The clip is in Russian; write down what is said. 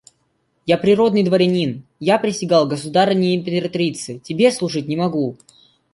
– Я природный дворянин; я присягал государыне императрице: тебе служить не могу.